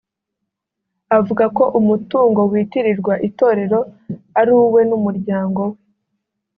avuga ko umutungo witirirwa itorero ari uwe n’umuryango we